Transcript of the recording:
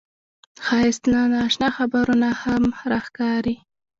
ښایست له نا اشنا خبرو نه هم راښکاري